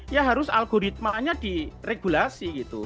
ya harus algoritmanya diregulasi gitu